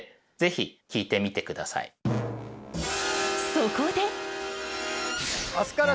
そこで！